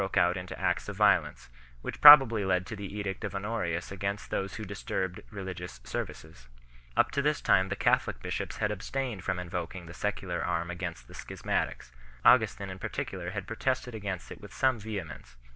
c. 92, Hard. i. 914. Discipline and Life of the Church 345 out into acts of violence, which probably led to the edict of Honorius against those who disturbed religious ser vices 1 . Up to this time the Catholic bishops had ab stained from invoking the secular arm against the schis matics; Augustin in particular had protested against it with some vehemence.